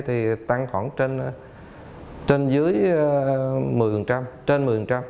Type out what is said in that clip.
tăng khoảng trên một mươi